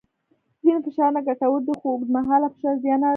ځینې فشارونه ګټور دي خو اوږدمهاله فشار زیان اړوي.